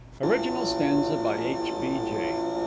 _Original Stanza by H. B. J.